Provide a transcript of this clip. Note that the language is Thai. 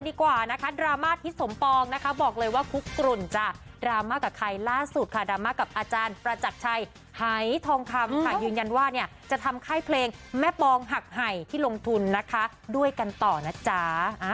ดีกว่านะคะดราม่าทิศสมปองนะคะบอกเลยว่าคุกกลุ่นจะดราม่ากับใครล่าสุดค่ะดราม่ากับอาจารย์ประจักรชัยหายทองคำค่ะยืนยันว่าเนี่ยจะทำค่ายเพลงแม่ปองหักไห่ที่ลงทุนนะคะด้วยกันต่อนะจ๊ะ